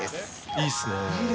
いいっすねー。